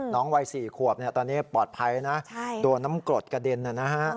วัย๔ขวบตอนนี้ปลอดภัยนะโดนน้ำกรดกระเด็นนะฮะ